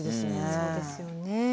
そうですよね。